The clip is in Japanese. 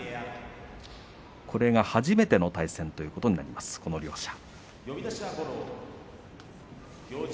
これが初めての対戦ということになります、この両者。